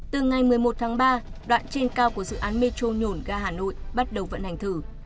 từ ngày một mươi một tháng ba đoạn trên cao của dự án metro nhổn ga hà nội bắt đầu vận hành thử